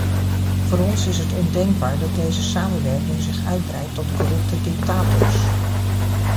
Voor ons is het ondenkbaar dat deze samenwerking zich uitbreidt tot corrupte dictators.